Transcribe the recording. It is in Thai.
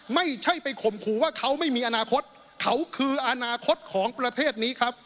ไม่ใช่ไปข่มขู่ว่าเขาไม่มีอนาคตเขาคืออนาคตของประเทศนี้ครับ